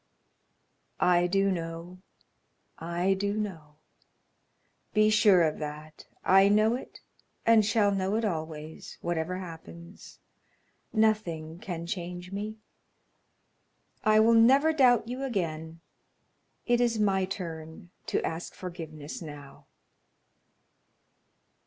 "I do know; I do know. Be sure of that; I know it and shall know it always, whatever happens; nothing can change me. I will never doubt you again. It is my turn to ask forgiveness now."